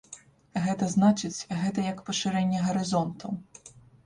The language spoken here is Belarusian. Гэта значыць, гэта як пашырэнне гарызонтаў.